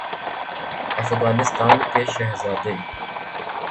افغانستان کےشہزاد ے